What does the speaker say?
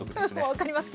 分かります。